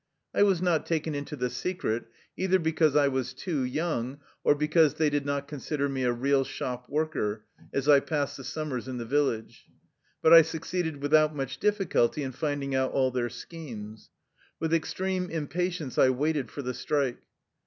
I was not taken into the secret, either because I was too young, or because they did not consider me a real shop worker, as I passed the summers in the village. But I succeeded, without much difficulty, in finding out all their schemes. With extreme impatience I waited for the strike.